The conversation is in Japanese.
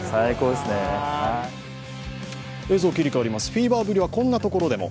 フィーバーぶりは、こんなところでも。